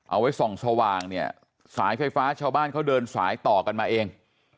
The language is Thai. เอาไว้ส่องสว่างเนี่ยสายไฟฟ้าชาวบ้านเขาเดินสายต่อกันมาเอง